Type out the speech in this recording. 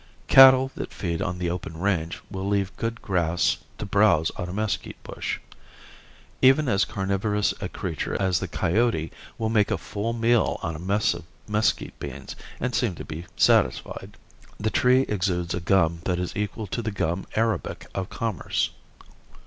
Cattle that feed on the open range will leave good grass to browse on a mesquite bush. Even as carnivorous a creature as the coyote will make a full meal on a mess of mesquite beans and seem to be satisfied. The tree exudes a gum that is equal to the gum arabic of commerce.